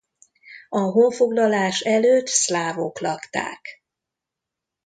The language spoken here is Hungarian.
A honfoglalás előtt szlávok lakták.